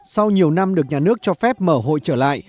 sau nhiều năm được nhà nước cho phép mở hội trở lại